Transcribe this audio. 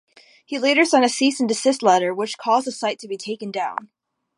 He later sent a cease-and-desist letter which caused the site to be taken down.